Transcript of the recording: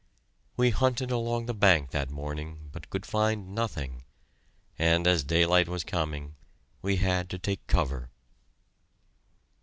We hunted along the bank that morning, but could find nothing, and as daylight was coming, we had to take cover.